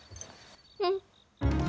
うん。